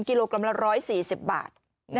กิโลกรัมละ๑๔๐บาท